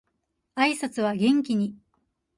挨拶は元気に